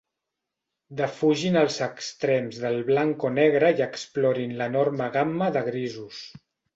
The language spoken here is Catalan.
Defugin els extrems del blanc-o-negre i explorin l'enorme gamma de grisos.